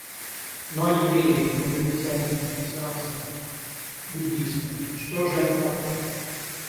Ну, а евреи, магометане, конфуцианцы, буддисты — что же они такое?